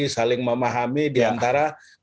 saling memahami diantara